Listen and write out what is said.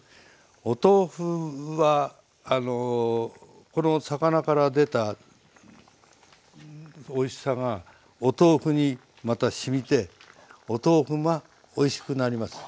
お豆腐はあのこの魚から出たおいしさがお豆腐にまたしみてお豆腐がおいしくなります。